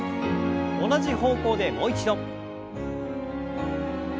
同じ方向でもう一度。